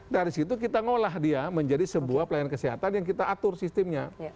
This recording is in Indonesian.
dari situ kita ngolah dia menjadi sebuah pelayanan kesehatan yang kita atur sistemnya